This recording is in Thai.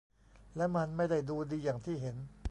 และมันไม่ได้ดูดีอย่างที่เห็น